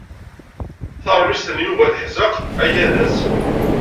Taṛmist n Yuba teḥzeq agadaz.